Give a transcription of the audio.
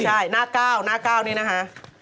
ใช่หน้าเก้าหน้าเก้านี้นะคะ